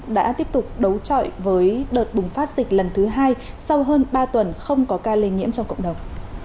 đã tiếp tục đấu trọi với đợt bùng phát dịch lần thứ hai sau hơn ba tuần không có ca lây nhiễm trong cộng đồng